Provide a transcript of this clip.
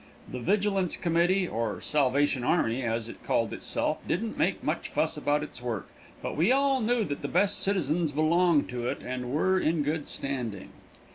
The vigilance committee, or Salvation army, as it called itself, didn't make much fuss about its work, but we all knew that the best citizens belonged to it, and were in good standing.